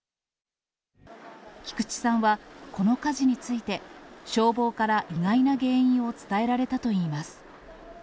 菊地さんはこの火事について、消防から意外な原因を伝えられたといいます。